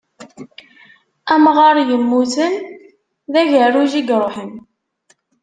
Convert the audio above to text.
Amɣar yemmuten, d agerruj i yeṛuḥen.